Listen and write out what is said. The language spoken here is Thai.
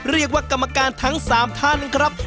เรียกว่ากรรมการทั้ง๓ท่านครับ